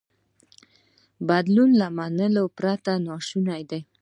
بدلون له منلو پرته ناشونی دی.